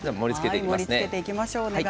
盛りつけていきましょうね。